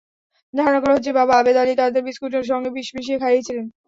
ধারণা করা হচ্ছে, বাবা আবেদ আলী তাদের বিস্কুটের সঙ্গে বিষ মিশিয়ে খাইয়েছিলেন।